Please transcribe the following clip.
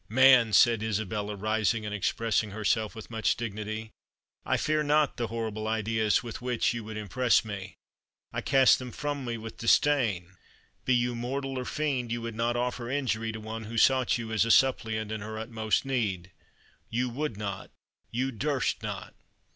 "Man!" said Isabella, rising, and expressing herself with much dignity, "I fear not the horrible ideas with which you would impress me. I cast them from me with disdain. Be you mortal or fiend, you would not offer injury to one who sought you as a suppliant in her utmost need. You would not you durst not."